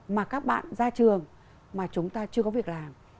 mà các bạn ra trường mà chúng ta chưa có việc làm